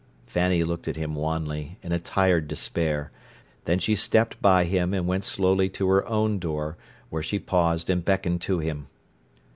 Fanny looked at him wanly, in a tired despair; then she stepped by him and went slowly to her own door, where she paused and beckoned to him.